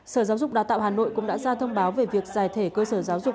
sở giáo dục đào tạo hà nội cũng đã ra thông báo về việc giải thể cơ sở giáo dục